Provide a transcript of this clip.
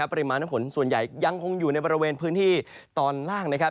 ปริมาณน้ำฝนส่วนใหญ่ยังคงอยู่ในบริเวณพื้นที่ตอนล่างนะครับ